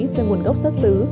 về nguồn gốc xuất xứ